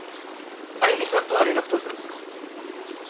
あゆみさんとは連絡取れたんですか？